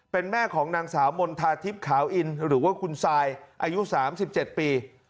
เป็นแม่ของนางสาวมณฑาทิพย์ขาวอินหรือว่าคุณซายอายุ๓๗ปี